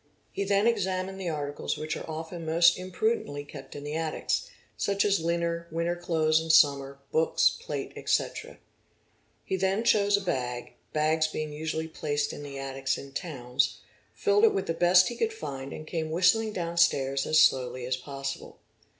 He then examined the articles which are often most imprudently kept in the attics, such as linen, winter clothes in summer, books, plate, etc. | He then chose a bag, bags being usually placed in the attics in towns, filled it with the best he could find, and came whistling down stairs as — oo i slowly as possible.